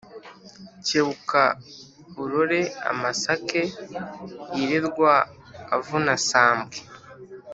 Kebuka urore amasake yirirwa avuna sambwe